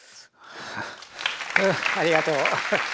ふうありがとう。